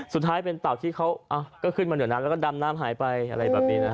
สุดท้ายเป็นเต่าที่เขาก็ขึ้นมาเหนือน้ำแล้วก็ดำน้ำหายไปอะไรแบบนี้นะฮะ